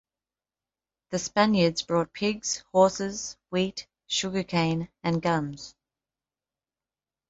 The Spaniards brought pigs, horses, wheat, sugarcane, and guns.